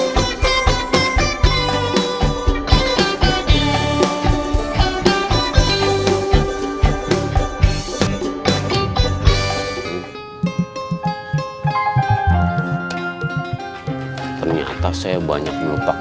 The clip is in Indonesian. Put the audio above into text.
waalaikumsalam warahmatullahi wabarakatuh